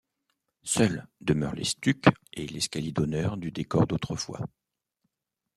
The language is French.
Seuls demeurent les stucs et l'escalier d'honneur du décor d'autrefois.